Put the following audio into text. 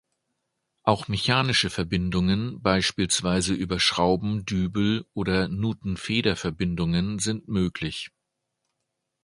Auch mechanische Verbindungen beispielsweise über Schrauben, Dübel oder Nuten-Feder-Verbindungen sind möglich.